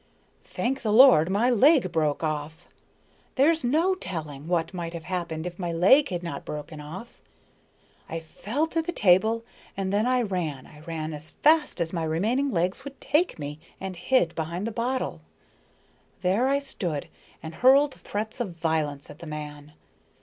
"Thank the Lord, my leg broke off. There's no telling what might have happened if my leg had not broken off. I fell to the table, and then I ran, I ran as fast as my remaining legs would take me, and hid behind the bottle. There I stood and hurled threats of violence at the man.